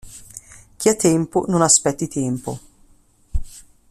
Chi ha tempo non aspetti tempo.